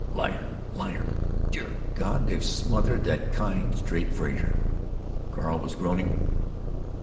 "Liar, liar! Dear God, they've smothered that kind, straight Frazer," Carl was groaning.